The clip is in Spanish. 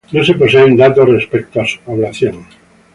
No se poseen datos respecto a su población.